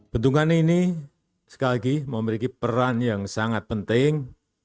bendungan ini sekali lagi memiliki peran yang sangat penting